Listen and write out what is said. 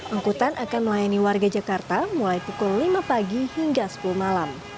angkutan akan melayani warga jakarta mulai pukul lima pagi hingga sepuluh malam